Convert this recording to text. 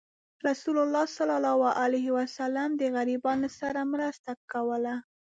رسول الله صلى الله عليه وسلم د غریبانو سره مرسته کوله.